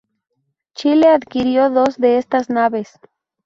Chile adquirió dos de estas naves.